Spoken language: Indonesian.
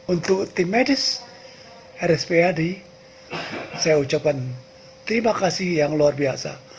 untuk tim medis rspad saya ucapkan terima kasih yang luar biasa